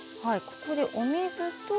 ここでお水と。